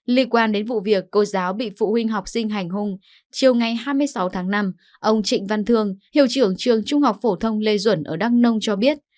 liên quan đến vụ việc cô giáo bị phụ huynh học sinh hành hung chiều ngày hai mươi sáu tháng năm ông trịnh văn thương hiệu trưởng trường trung học phổ thông lê duẩn ở đắk nông cho biết